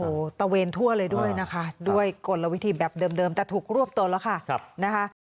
โอ้โหตะเวนทั่วเลยด้วยนะคะด้วยกลวิธีแบบเดิมแต่ถูกรวบตัวแล้วค่ะนะคะ